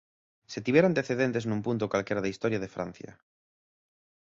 Se tivera antecedentes nun punto calquera da historia de Francia!